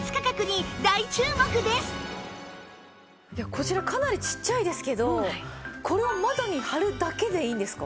こちらかなりちっちゃいですけどこれを窓に貼るだけでいいんですか？